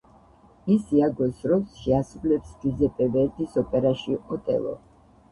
ის იაგოს როლს შეასრულებს ჯუზეპე ვერდის ოპერაში „ოტელო“.